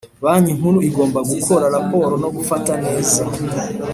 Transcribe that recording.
Banki Nkuru igomba gukora raporo no gufata neza